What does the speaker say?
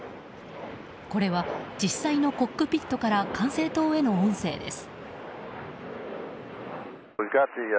これは実際のコックピットから管制塔への音声です。